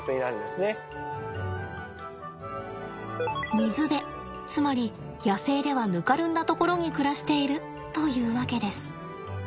水辺つまり野生ではぬかるんだところに暮らしているというわけです。